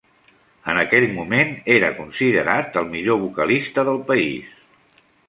En aquell moment era considerat el millor vocalista del país.